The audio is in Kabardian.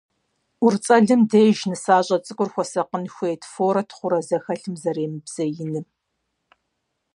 ӀурыцӀэлъым деж нысащӀэ цӀыкӀур хуэсакъын хуейт форэ-тхъурэ зэхэлъым зэремыбзеиным.